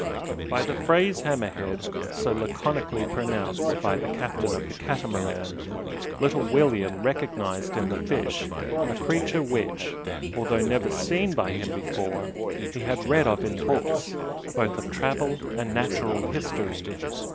By the phrase "hammer head," so laconically pronounced by the captain of the Catamaran, little William recognised in the fish a creature which, although never seen by him before, he had read of in books, both of travel and natural history.